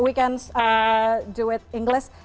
melakukannya dalam bahasa inggris